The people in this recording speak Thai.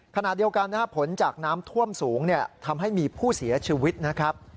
ขณะเดียวกันนะครับผลจากน้ำท่วมสูงทำให้มีผู้เสียชีวิตนะครับ